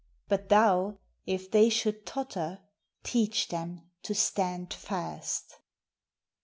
But thou, if they should totter, teach them to stand fast!